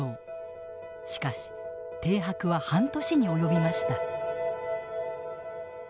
しかし停泊は半年に及びました。